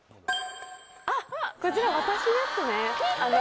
あっこちら私ですね。